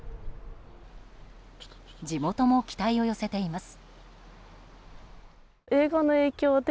地元も期待を寄せています。